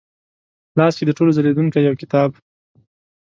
لاس کې د ټولو ځلېدونکې یوکتاب،